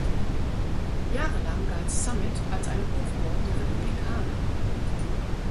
Jahrelang galt Summit als eine Hochburg der Republikaner.